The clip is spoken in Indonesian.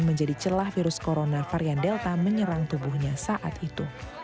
menjadi celah virus corona varian delta menyerang tubuhnya saat itu